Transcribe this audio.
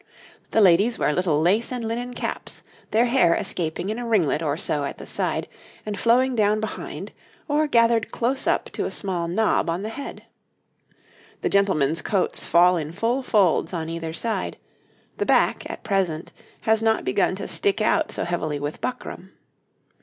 The ladies wear little lace and linen caps, their hair escaping in a ringlet or so at the side, and flowing down behind, or gathered close up to a small knob on the head. The gentlemen's coats fall in full folds on either side; the back, at present, has not begun to stick out so heavily with buckram.